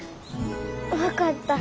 分かった。